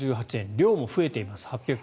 量も増えています。